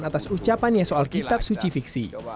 atas ucapannya soal kitab suci fiksi